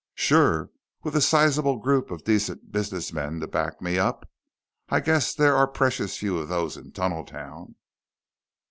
"Sure, with a sizable group of decent businessmen to back me up. I'd guess there are precious few of those in Tunneltown."